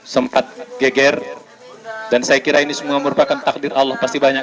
sempat geger dan saya kira ini semua merupakan takdir allah pasti banyak